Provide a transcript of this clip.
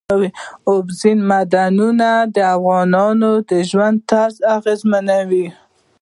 اوبزین معدنونه د افغانانو د ژوند طرز اغېزمنوي.